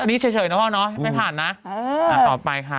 อันนี้เฉยนะครับไม่ผ่านต่อไปค่ะ